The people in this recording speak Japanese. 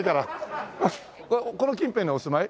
この近辺にお住まい？